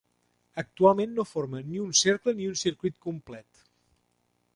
Actualment no forma ni un cercle ni un circuit complet.